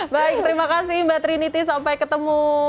baik terima kasih mbak trinity sampai ketemu